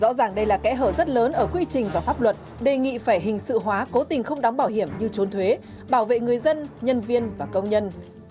rõ ràng đây là kẽ hở rất lớn ở quy trình và pháp luật đề nghị phải hình sự hóa cố tình không đóng bảo hiểm như trốn thuế bảo vệ người dân nhân viên và công nhân